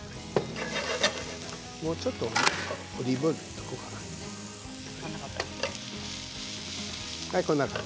もうちょっとオリーブオイル入れておこうかな。